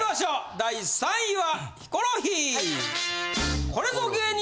第３位はヒコロヒー。